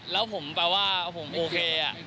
แล้วผมแปลว่าผมโอเค